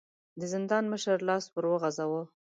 د زندان مشر لاس ور وغځاوه.